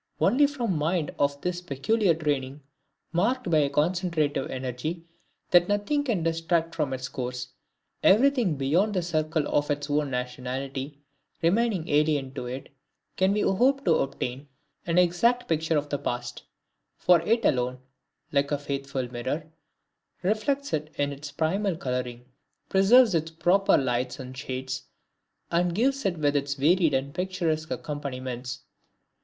Only from a mind of this peculiar training, marked by a concentrative energy that nothing can distract from its course, every thing beyond the circle of its own nationality remaining alien to it, can we hope to obtain an exact picture of the past; for it alone, like a faithful mirror, reflects it in its primal coloring, preserves its proper lights and shades, and gives it with its varied and picturesque accompaniments.